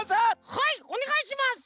はいおねがいします！